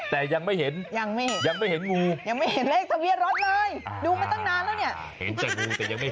แต่ยังไม่เห็นยังไม่เห็นงูอ้าว